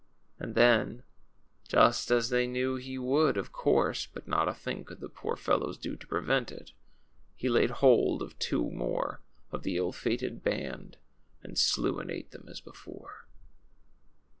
And then — just as they knew he Avould, of course ; but not a thing could the poor felloAvs do to prevent it — he laid hold of two more of the ill fated band and slew and ate them as before.